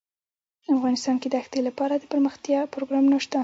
افغانستان کې د ښتې لپاره دپرمختیا پروګرامونه شته.